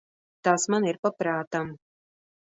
Tas man ir pa prātam.